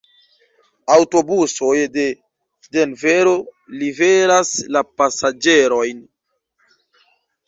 Aŭtobusoj de Denvero liveras la pasaĝerojn.